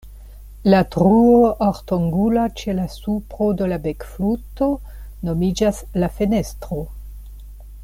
La truo ortangula ĉe la supro de la bekfluto nomiĝas la "fenestro".